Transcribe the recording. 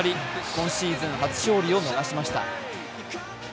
今シーズン初勝利を逃しました。